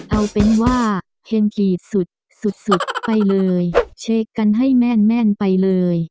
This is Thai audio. เอาเป็นว่าเห็นกรีดสุดสุดไปเลยเชกกันให้แม่นไปเลย